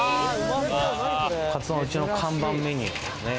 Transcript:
カツ丼はうちの看板メニューですね。